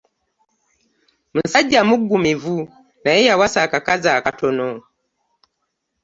Musajja muggumivu naye yawasa akakazi akatono.